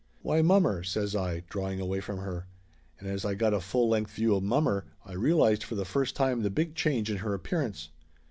"Why, mommer!" says I, drawing away from her. And as I got a full length view of mommer I realized for the first time the big change in her appearance.